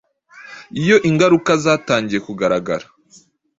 iyo ingaruka zatangiye kugaragara